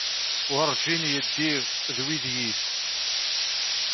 Werǧin yeddi d wid yif.